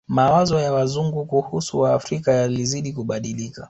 Mawazo ya Wazungu kuhusu Waafrika yalizidi kubadilika